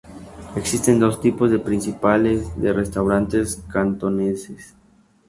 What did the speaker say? Existen dos tipos principales de restaurantes cantoneses.